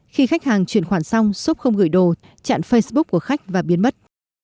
khi khách hàng chuyển khoản xong shop không gửi đồ chặn facebook của khách và biến mất